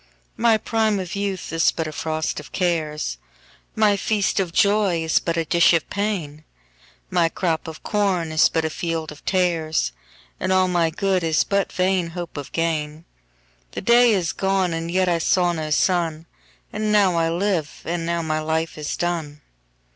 1My prime of youth is but a frost of cares,2My feast of joy is but a dish of pain,3My crop of corn is but a field of tares,4And all my good is but vain hope of gain.5The day is gone and yet I saw no sun,6And now I live, and now my life is done.